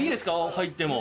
入っても。